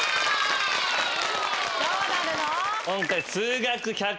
どうなるの？